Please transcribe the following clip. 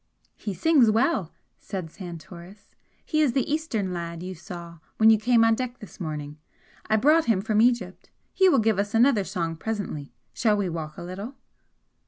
"He sings well!" said Santoris "He is the Eastern lad you saw when you came on deck this morning. I brought him from Egypt. He will give us another song presently. Shall we walk a little?"